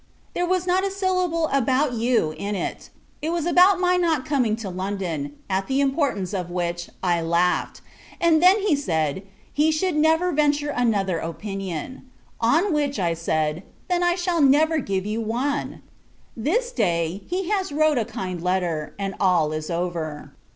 There was not a syllable about you in it. It was about my not coming to London; at the importance of which, I laughed: and, then, he said, he should never venture another opinion. On which, I said "Then, I shall never give you one." This day, he has wrote a kind letter, and all is over.